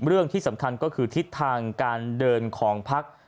เรื่องที่สำคัญก็คือทิศทางการเดินของพัก